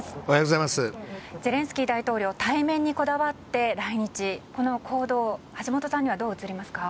ゼレンスキー大統領対面にこだわって来日、この行動を橋下さんにはどう映りますか。